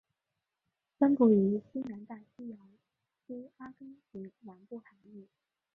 分布于西南大西洋区阿根廷南部海域。